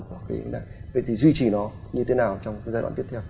vậy thì duy trì nó như thế nào trong cái giai đoạn tiếp theo